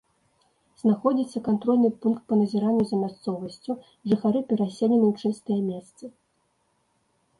Знаходзіцца кантрольны пункт па назіранню за мясцовасцю, жыхары пераселены ў чыстыя месцы.